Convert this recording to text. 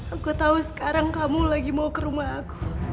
aku tahu sekarang kamu lagi mau ke rumah aku